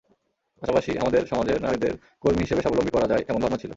পাশাপাশি আমাদের সমাজের নারীদের কর্মী হিসেবে স্বাবলম্বী করা যায় এমন ভাবনা ছিল।